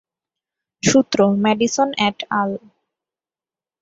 সূত্র: Madison et আল।